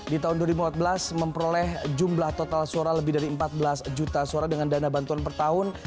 di tahun dua ribu empat belas memperoleh jumlah total suara lebih dari empat belas juta suara dengan dana bantuan per tahun